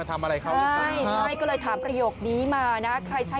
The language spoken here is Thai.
ผมก็จะถามมาบ้านเนี่ย